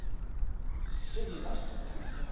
指示出しちゃったんですよ。